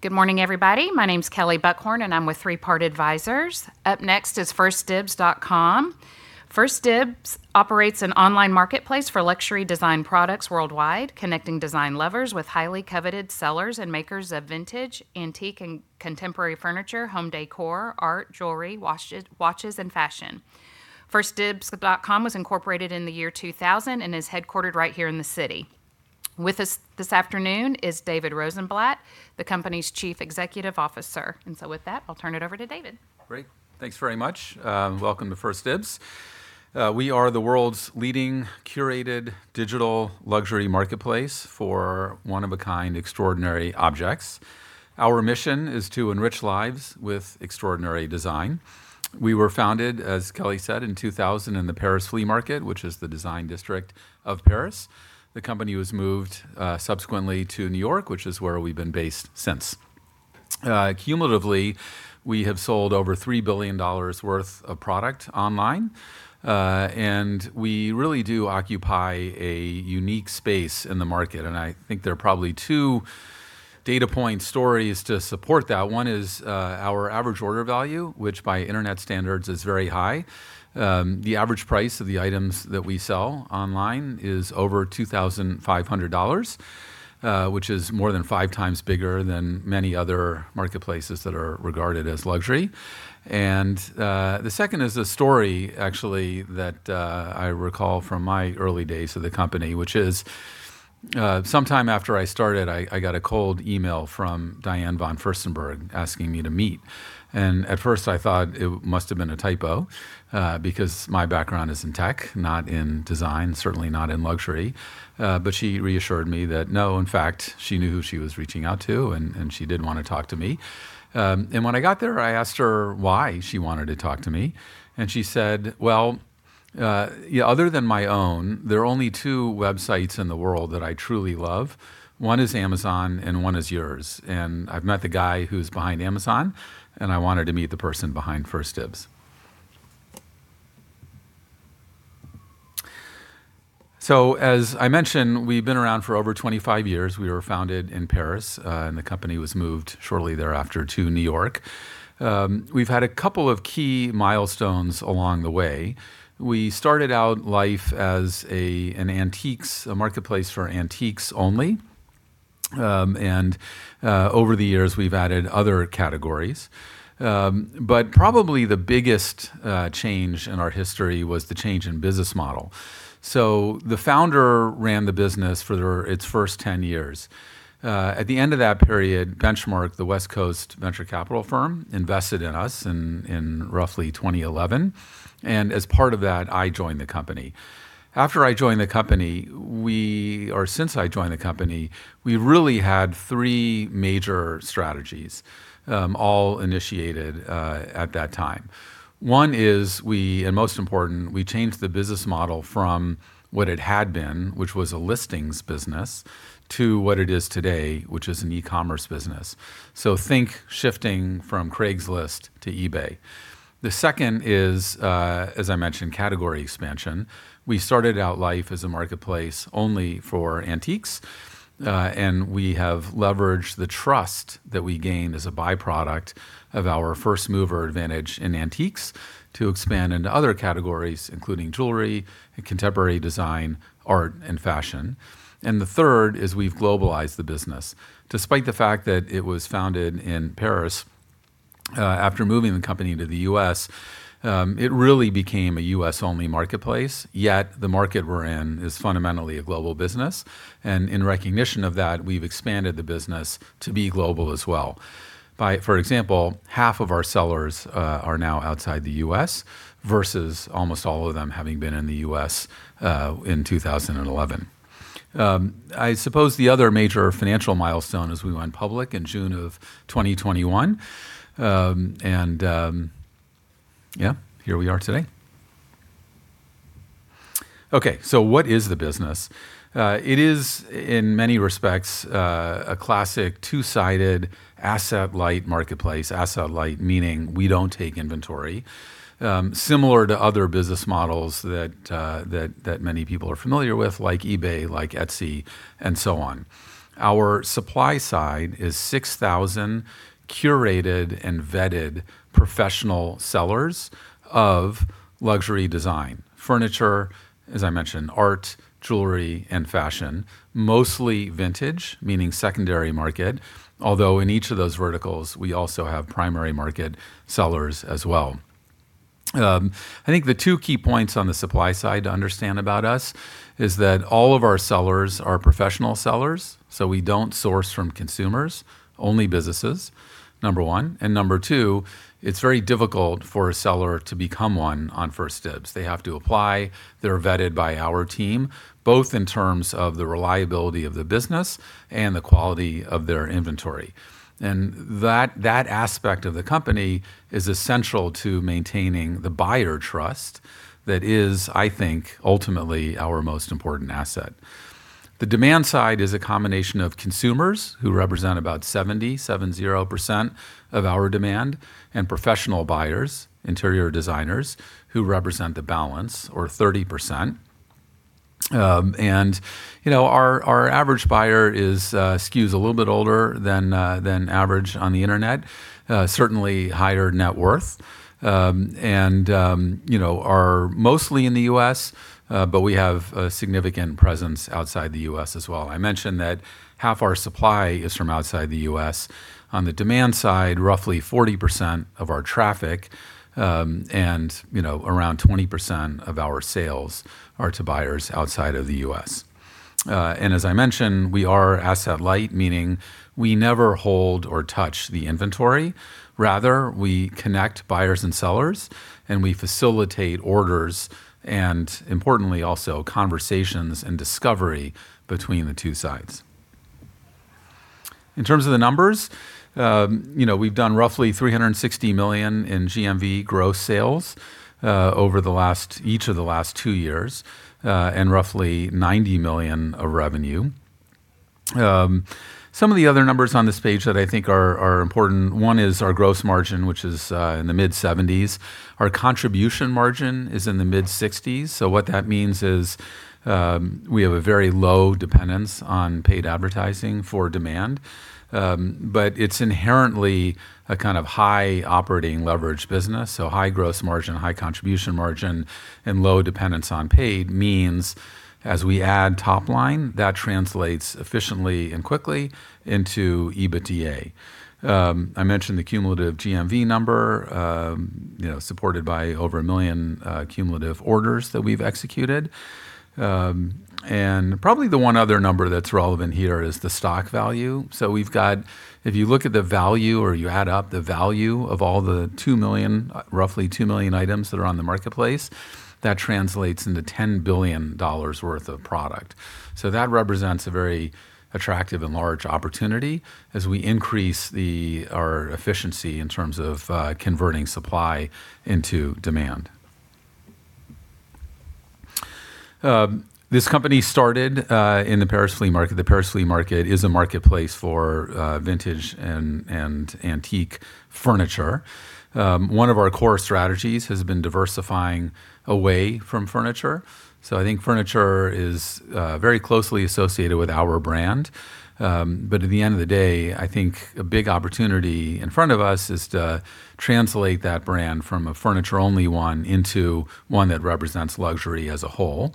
Good morning, everybody. My name's Kelley Buchhorn, and I'm with Three Part Advisors. Up next is 1stDibs.com. 1stDibs.com operates an online marketplace for luxury design products worldwide, connecting design lovers with highly coveted sellers and makers of vintage, antique, and contemporary furniture, home décor, art, jewelry, watches, and fashion. 1stDibs.com was incorporated in the year 2000 and is headquartered right here in the city. With us this afternoon is David Rosenblatt, the company's Chief Executive Officer. So with that, I'll turn it over to David. Great. Thanks very much. Welcome to 1stDibs.com. We are the world's leading curated digital luxury marketplace for one-of-a-kind extraordinary objects. Our mission is to enrich lives with extraordinary design. We were founded, as Kelley said, in 2000 in the Paris Flea Market, which is the design district of Paris. The company was moved subsequently to New York, which is where we've been based since. Cumulatively, we have sold over $3 billion worth of product online, and we really do occupy a unique space in the market, and I think there are probably two data point stories to support that. One is our average order value, which by internet standards is very high. The average price of the items that we sell online is over $2,500, which is more than 5x bigger than many other marketplaces that are regarded as luxury. The second is a story actually that I recall from my early days of the company, which is, sometime after I started, I got a cold email from Diane von Furstenberg asking me to meet. At first I thought it must have been a typo, because my background is in tech, not in design, certainly not in luxury. But she reassured me that no, in fact, she knew who she was reaching out to, and she did want to talk to me. When I got there, I asked her why she wanted to talk to me, and she said, "Well, other than my own, there are only two websites in the world that I truly love. One is Amazon, and one is yours. I've met the guy who's behind Amazon, and I wanted to meet the person behind 1stDibs.com." As I mentioned, we've been around for over 25 years. We were founded in Paris, and the company was moved shortly thereafter to New York. We've had a couple of key milestones along the way. We started out life as an antiques marketplace for antiques only. Over the years we've added other categories. Probably the biggest change in our history was the change in business model. The founder ran the business for its first 10 years. At the end of that period, Benchmark, the West Coast venture capital firm, invested in us in roughly 2011. As part of that, I joined the company. After I joined the company, or since I joined the company, we really had three major strategies, all initiated at that time. One is, and most important, we changed the business model from what it had been, which was a listings business, to what it is today, which is an e-commerce business. Think shifting from Craigslist to eBay. The second is, as I mentioned, category expansion. We started out life as a marketplace only for antiques. We have leveraged the trust that we gained as a byproduct of our first-mover advantage in antiques to expand into other categories, including jewelry and contemporary design, art, and fashion. The third is we've globalized the business. Despite the fact that it was founded in Paris, after moving the company to the U.S., it really became a U.S.-only marketplace. The market we're in is fundamentally a global business. In recognition of that, we've expanded the business to be global as well. For example, half of our sellers are now outside the U.S., versus almost all of them having been in the U.S. in 2011. I suppose the other major financial milestone is we went public in June of 2021. Here we are today. What is the business? It is, in many respects, a classic two-sided asset-light marketplace. Asset-light meaning we don't take inventory. Similar to other business models that many people are familiar with, like eBay, like Etsy, and so on. Our supply side is 6,000 curated and vetted professional sellers of luxury design. Furniture, as I mentioned, art, jewelry, and fashion. Mostly vintage, meaning secondary market, although in each of those verticals, we also have primary market sellers as well. I think the two key points on the supply side to understand about us is that all of our sellers are professional sellers, we don't source from consumers, only businesses, number one. Number two, it's very difficult for a seller to become one on 1stDibs.com. They have to apply. They're vetted by our team, both in terms of the reliability of the business and the quality of their inventory. That aspect of the company is essential to maintaining the buyer trust that is, I think, ultimately our most important asset. The demand side is a combination of consumers, who represent about 70% of our demand, and professional buyers, interior designers, who represent the balance, or 30%. Our average buyer skews a little bit older than average on the internet. Certainly higher net worth. Are mostly in the U.S., but we have a significant presence outside the U.S. as well. I mentioned that half our supply is from outside the U.S. On the demand side, roughly 40% of our traffic, and around 20% of our sales are to buyers outside of the U.S. As I mentioned, we are asset light, meaning we never hold or touch the inventory. Rather, we connect buyers and sellers, and we facilitate orders, and importantly also, conversations and discovery between the two sides. In terms of the numbers, we've done roughly $360 million in GMV gross sales over each of the last two years, and roughly $90 million of revenue. Some of the other numbers on this page that I think are important, one is our gross margin, which is in the mid-70s. Our contribution margin is in the mid-60s. What that means is we have a very low dependence on paid advertising for demand. It's inherently a kind of high operating leverage business. High gross margin, high contribution margin, and low dependence on paid means, as we add top line, that translates efficiently and quickly into EBITDA. I mentioned the cumulative GMV number, supported by over one million cumulative orders that we've executed. Probably the one other number that's relevant here is the stock value. We've got, if you look at the value or you add up the value of all the roughly two million items that are on the marketplace, that translates into $10 billion worth of product. That represents a very attractive and large opportunity as we increase our efficiency in terms of converting supply into demand. This company started in the Paris flea market. The Paris flea market is a marketplace for vintage and antique furniture. One of our core strategies has been diversifying away from furniture. I think furniture is very closely associated with our brand, but at the end of the day, I think a big opportunity in front of us is to translate that brand from a furniture-only one into one that represents luxury as a whole.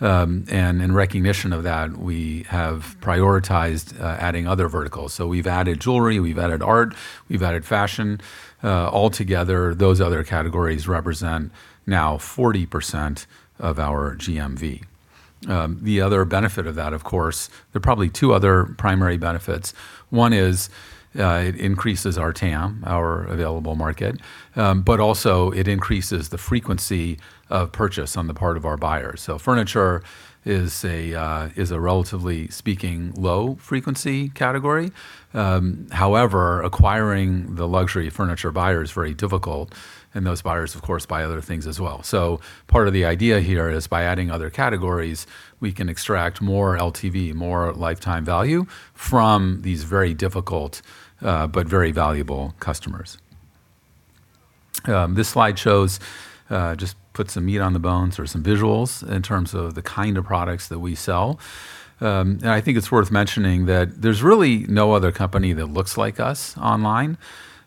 In recognition of that, we have prioritized adding other verticals. We've added jewelry, we've added art, we've added fashion. All together, those other categories represent now 40% of our GMV. The other benefit of that, of course, there are probably two other primary benefits. One is it increases our TAM, our available market, but also it increases the frequency of purchase on the part of our buyers. Furniture is a relatively speaking low-frequency category. However, acquiring the luxury furniture buyer is very difficult, and those buyers, of course, buy other things as well. Part of the idea here is by adding other categories, we can extract more LTV, more lifetime value, from these very difficult but very valuable customers. This slide shows, just put some meat on the bones or some visuals in terms of the kind of products that we sell. I think it's worth mentioning that there's really no other company that looks like us online.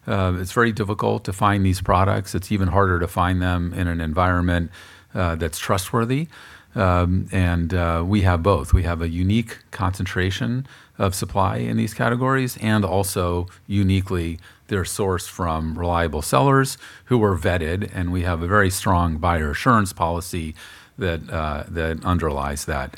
It's very difficult to find these products. It's even harder to find them in an environment that's trustworthy, and we have both. We have a unique concentration of supply in these categories, and also uniquely, they're sourced from reliable sellers who are vetted, and we have a very strong buyer assurance policy that underlies that.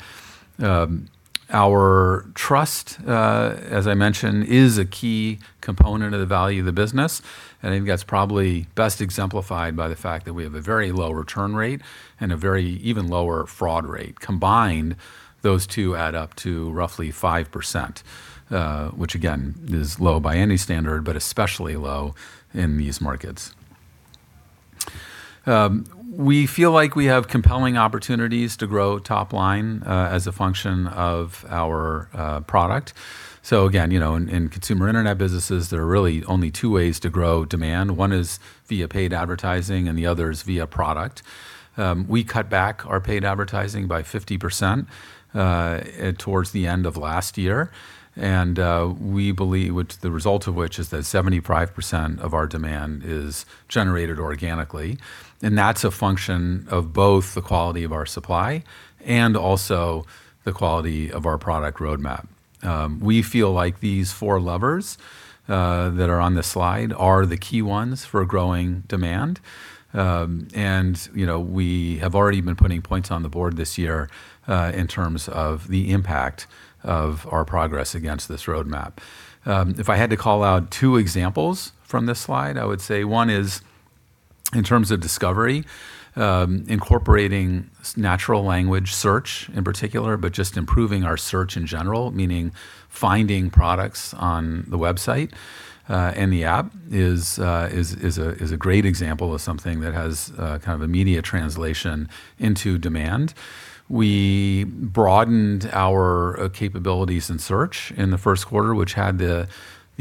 Our trust, as I mentioned, is a key component of the value of the business. I think that's probably best exemplified by the fact that we have a very low return rate and a very even lower fraud rate. Combined, those two add up to roughly 5%, which again, is low by any standard, but especially low in these markets. We feel like we have compelling opportunities to grow top line as a function of our product. Again, in consumer internet businesses, there are really only two ways to grow demand. One is via paid advertising and the other is via product. We cut back our paid advertising by 50% towards the end of last year. The result of which is that 75% of our demand is generated organically. That's a function of both the quality of our supply and also the quality of our product roadmap. We feel like these four levers that are on this slide are the key ones for growing demand. We have already been putting points on the board this year in terms of the impact of our progress against this roadmap. If I had to call out two examples from this slide, I would say one is in terms of discovery, incorporating natural language search in particular, but just improving our search in general, meaning finding products on the website and the app is a great example of something that has kind of immediate translation into demand. We broadened our capabilities in search in the first quarter, which had the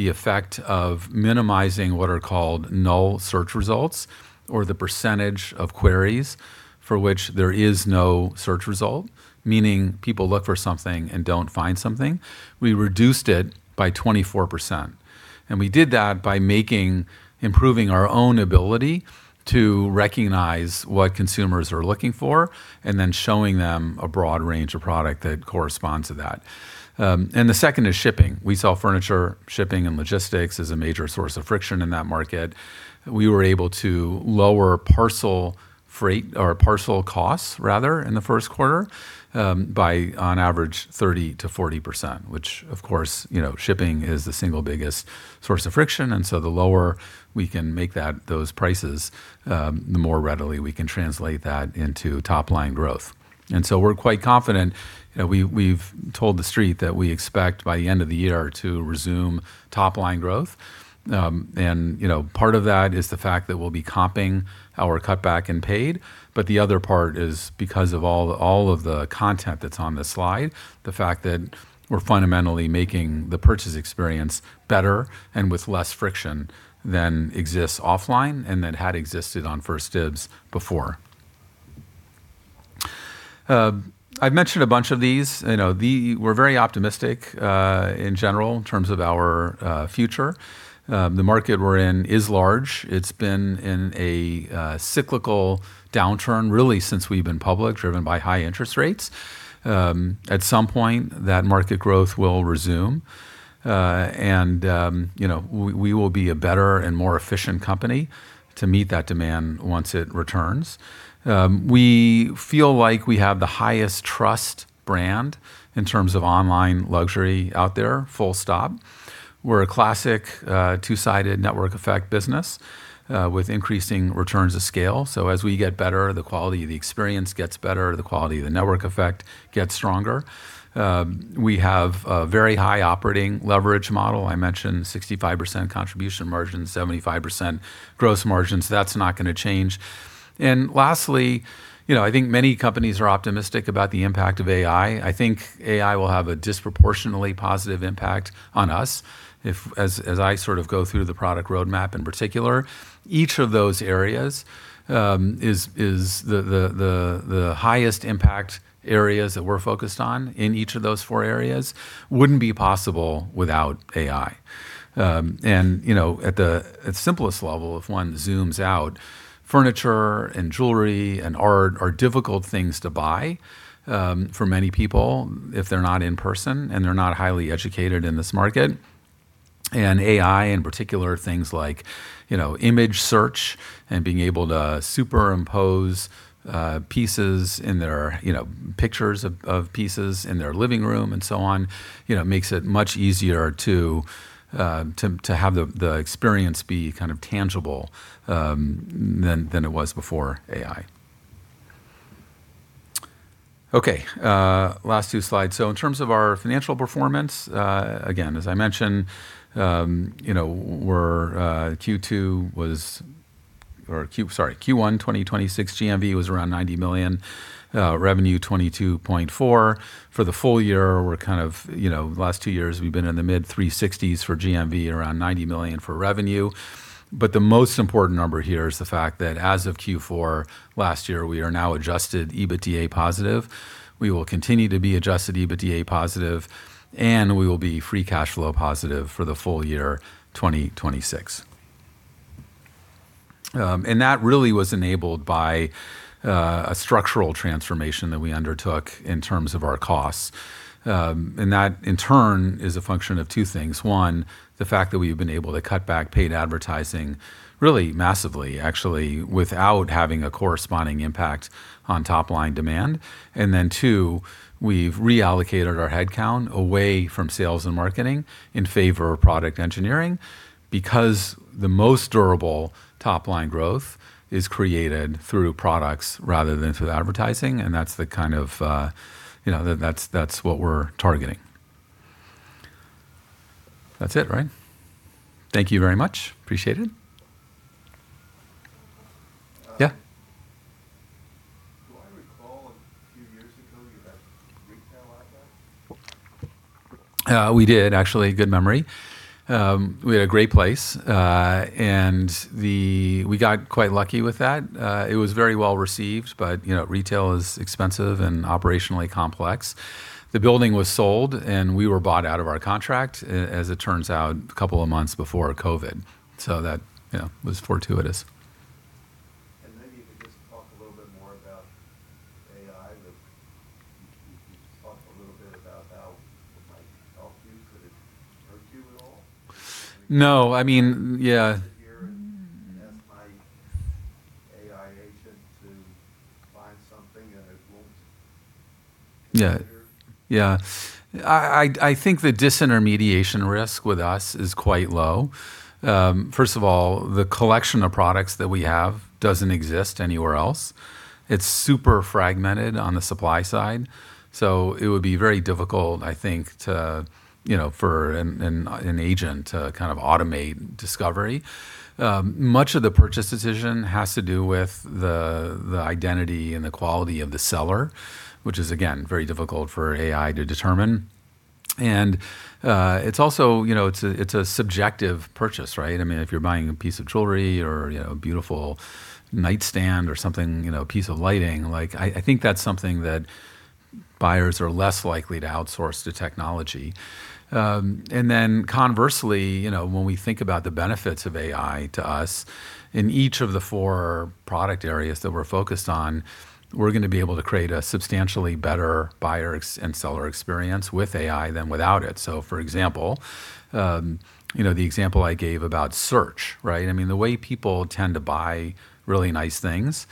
effect of minimizing what are called null search results or the percentage of queries for which there is no search result, meaning people look for something and don't find something. We reduced it by 24%. We did that by improving our own ability to recognize what consumers are looking for, then showing them a broad range of product that corresponds to that. The second is shipping. We saw furniture shipping and logistics as a major source of friction in that market. We were able to lower parcel freight or parcel costs, rather, in the first quarter, by, on average, 30%-40%, which of course, shipping is the single biggest source of friction. The lower we can make those prices, the more readily we can translate that into top-line growth. We're quite confident. We've told the Street that we expect by the end of the year to resume top-line growth. Part of that is the fact that we'll be comping our cutback in paid, but the other part is because of all of the content that's on this slide, the fact that we're fundamentally making the purchase experience better and with less friction than exists offline and than had existed on 1stDibs.com before. I've mentioned a bunch of these. We're very optimistic in general in terms of our future. The market we're in is large. It's been in a cyclical downturn, really, since we've been public, driven by high interest rates. At some point, that market growth will resume. We will be a better and more efficient company to meet that demand once it returns. We feel like we have the highest trust brand in terms of online luxury out there, full stop. We're a classic two-sided network effect business with increasing returns of scale. As we get better, the quality of the experience gets better, the quality of the network effect gets stronger. We have a very high operating leverage model. I mentioned 65% contribution margin, 75% gross margin. That's not going to change. Lastly, I think many companies are optimistic about the impact of AI. I think AI will have a disproportionately positive impact on us. As I go through the product roadmap in particular, each of those areas is the highest impact areas that we're focused on in each of those four areas wouldn't be possible without AI. At the simplest level, if one zooms out, furniture and jewelry and art are difficult things to buy for many people if they're not in person and they're not highly educated in this market. AI, in particular, things like image search and being able to superimpose pictures of pieces in their living room and so on, makes it much easier to have the experience be tangible than it was before AI. Last two slides. In terms of our financial performance, again, as I mentioned, Q1 2026 GMV was around $90 million. Revenue, $22.4. For the full year, the last two years, we've been in the mid-$360s for GMV, around $90 million for revenue. The most important number here is the fact that as of Q4 last year, we are now adjusted EBITDA positive. We will continue to be adjusted EBITDA positive, and we will be free cash flow positive for the full year 2026. That really was enabled by a structural transformation that we undertook in terms of our costs. That, in turn, is a function of two things. One, the fact that we've been able to cut back paid advertising really massively, actually, without having a corresponding impact on top-line demand. Then two, we've reallocated our headcount away from sales and marketing in favor of product engineering because the most durable top-line growth is created through products rather than through advertising, and that's what we're targeting. That's it, right? Thank you very much. Appreciate it. Yeah. Do I recall a few years ago you had retail outlets? We did, actually. Good memory. We had a great place. We got quite lucky with that. It was very well received, but retail is expensive and operationally complex. The building was sold, and we were bought out of our contract, as it turns out, a couple of months before COVID. That was fortuitous. maybe you could just talk a little bit more about AI. You talked a little bit about how it might help you. Could it hurt you at all? No. I mean, yeah. I sit here and ask my AI agent to find something. Yeah Yeah. I think the disintermediation risk with us is quite low. First of all, the collection of products that we have doesn't exist anywhere else. It's super fragmented on the supply side. It would be very difficult, I think, for an agent to automate discovery. Much of the purchase decision has to do with the identity and the quality of the seller, which is, again, very difficult for AI to determine. It's a subjective purchase, right? If you're buying a piece of jewelry or a beautiful nightstand or something, a piece of lighting, I think that's something that buyers are less likely to outsource to technology. Conversely, when we think about the benefits of AI to us in each of the four product areas that we're focused on, we're going to be able to create a substantially better buyer and seller experience with AI than without it. For example, the example I gave about search, right? The way people tend to buy really nice things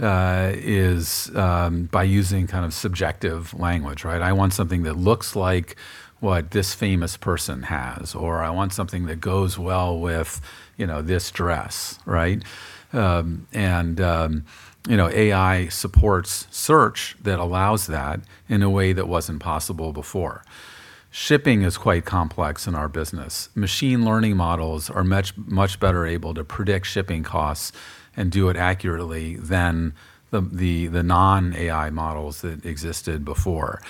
is by using kind of subjective language, right? I want something that looks like what this famous person has, or I want something that goes well with this dress, right? AI supports search that allows that in a way that wasn't possible before. Shipping is quite complex in our business. Machine learning models are much better able to predict shipping costs and do it accurately than the non-AI models that existed before.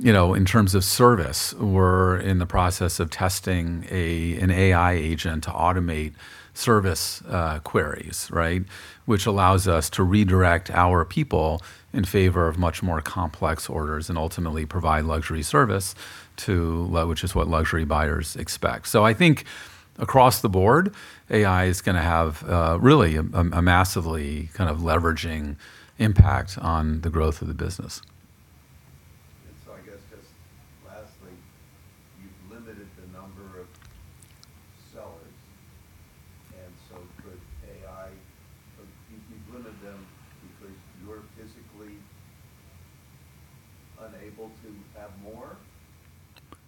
In terms of service, we're in the process of testing an AI agent to automate service queries, right? Which allows us to redirect our people in favor of much more complex orders and ultimately provide luxury service too, which is what luxury buyers expect. I think across the board, AI is going to have really a massively kind of leveraging impact on the growth of the business.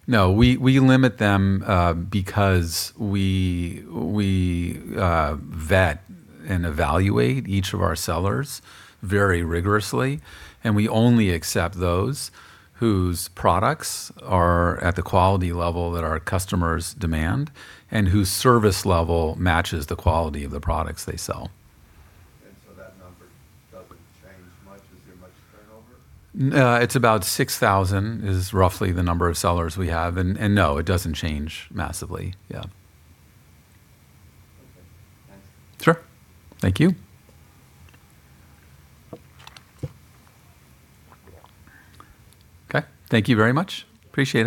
I guess just lastly, you've limited the number of sellers. You've limited them because you're physically unable to have more? No. We limit them because we vet and evaluate each of our sellers very rigorously, and we only accept those whose products are at the quality level that our customers demand and whose service level matches the quality of the products they sell. That number doesn't change much. Is there much turnover? It's about 6,000 is roughly the number of sellers we have. No, it doesn't change massively. Yeah. Okay. Thanks. Sure. Thank you. Okay. Thank you very much. Appreciate it.